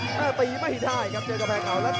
ตีไม่ได้ครับเจอกำแพงเขาแล้ว